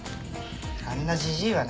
あんなじじいはね